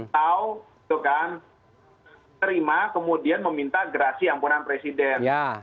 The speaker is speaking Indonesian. atau menerima kemudian meminta gerasi ampunan presiden